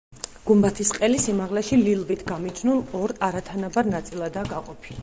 გუმბათის ყელი სიმაღლეში ლილვით გამიჯნულ ორ არათანაბარ ნაწილადაა გაყოფილი.